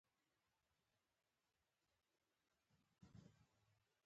نوم اکثره د صفتونو د جوړولو له پاره کاریږي.